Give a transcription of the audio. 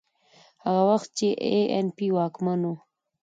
هغه وخت چې اي این پي واکمن و.